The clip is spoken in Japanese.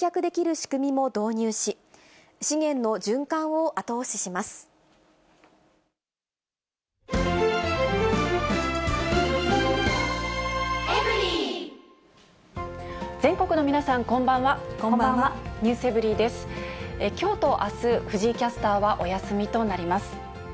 きょうとあす、藤井キャスターはお休みとなります。